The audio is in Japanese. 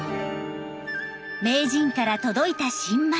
名人から届いた新米。